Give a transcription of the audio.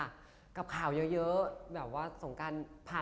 แล้วกับคุณแอฟนะคะได้เจอกันบ้างไหมเฮ้ยต้องควรถาม